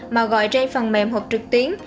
mà gọi trên phần mềm hộp trực tiến